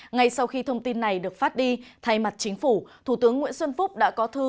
ngay sau khi thông tin này được phát đi thay mặt chính phủ thủ tướng nguyễn xuân phúc đã có thư